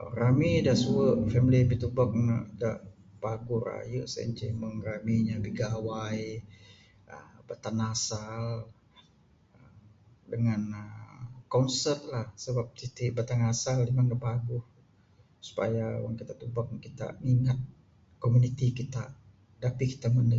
Oo rami dak suwe family ami tubek ne dak paguh raye sien inceh meng rami inya bigawai, uhh batang asal dengan uhh konsert la sebab siti batang asal memang ne paguh supaya wang kita tubek kita ngingat komuniti kita, dapih kita mende